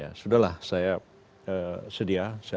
apa masalahnya ternyata jauh